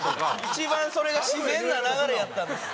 一番それが自然な流れやったんですよ。